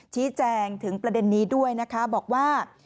ชี้แจงถึงประเด็นนี้ด้วยนะคะบอกว่า